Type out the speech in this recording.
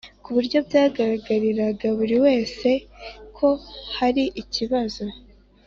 kuburyo byagaragariraga buri wesw ko hari ikibazo